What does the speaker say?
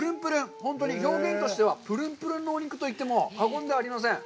本当に表現としてはぷるんぷるんのお肉と言っても過言ではありません。